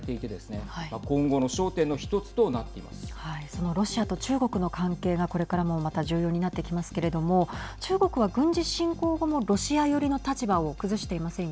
そのロシアと中国の関係がこれからもまた重要になってきますけれども中国は軍事侵攻後もロシア寄りの立場をはい。